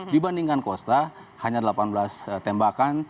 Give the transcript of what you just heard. dibandingkan kosta hanya delapan belas tembakan